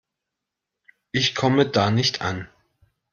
Ich komme da nicht an.